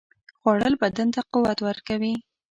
خوړل بدن ته قوت ورکوي